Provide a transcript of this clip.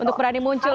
untuk berani muncul